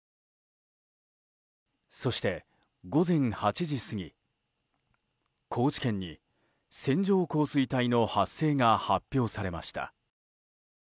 そして午前８時過ぎ高知県に線状降水帯の発生が発表されました。